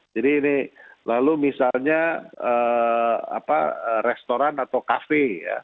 jadi ini lalu misalnya restoran atau kafe